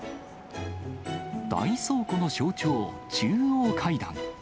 大倉庫の象徴、中央階段。